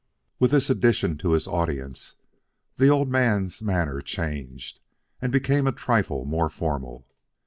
With this addition to his audience, the old man's manner changed and became a trifle more formal.